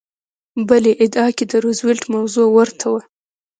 بلې ادعا کې د روزولټ موضوع ورته وه.